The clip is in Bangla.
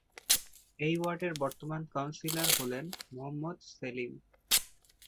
এ ওয়ার্ডের বর্তমান কাউন্সিলর হলেন মোহাম্মদ সেলিম।